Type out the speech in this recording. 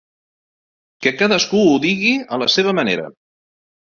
Que cadascú ho digui a la seva manera.